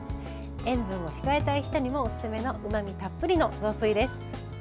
塩分を控えたい人にもおすすめのうまみたっぷりの雑炊です。